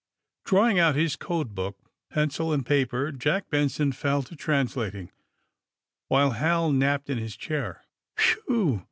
Drawing out his code book, pencil and paper. Jack Benson fell to translating, while Hal napped in his chair. ^^Whew!"